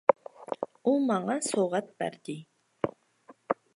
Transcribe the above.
-ئۇ ماڭا سوۋغات بەردى!